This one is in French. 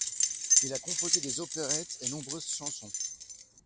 Il a composé des opérettes et nombreuses chansons.